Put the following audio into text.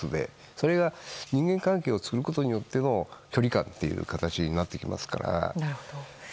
それが人間関係を作ることによっての距離感という形になってきますから。